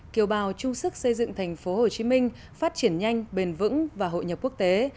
kiều bào chung sức xây dựng tp hcm phát triển nhanh bền vững và hội nhập quốc tế